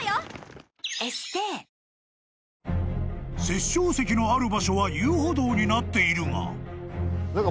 ［殺生石のある場所は遊歩道になっているが］